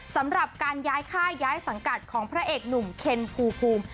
สำหรับการย้ายค่ายย้ายสังกัดของพระเอกหนุ่มเคนภูมิ